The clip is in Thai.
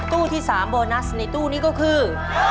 ตู้ที่๓โบนัสในตู้นี้ก็คือ